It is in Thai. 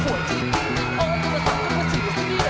เอาให้มันสร้างการฝ่าสิทธิ์ที่นี่นะ